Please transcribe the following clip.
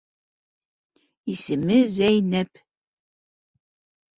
— Исеме — Зәйнәп.